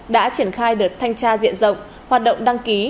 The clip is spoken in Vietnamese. đã triển khai đợt thanh tra diện rộng hoạt động đăng ký